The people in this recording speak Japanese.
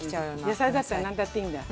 野菜だったら何だっていいんだ。